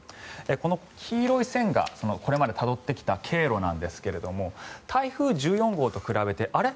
この黄色い線がこれまでたどってきた経路なんですが台風１４号と比べてあれ？